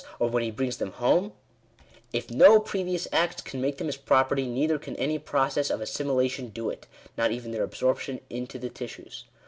or when he brings them home ?" If no previous acts can make them his property, neither can any process of assimilation do it; not even their absorption into the tissues.